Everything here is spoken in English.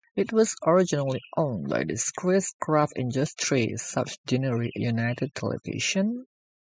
It was originally owned by the Chris-Craft Industries subsidiary United Television.